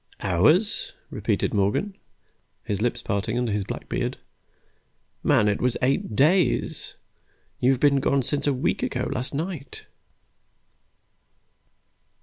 "Hours?" repeated Morgan, his lips parting under his black beard. "Man, it was eight days! You have been gone since a week ago last night!"